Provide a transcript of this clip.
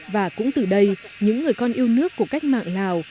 và cũng từ đây những người con yêu nước của cách mạng lào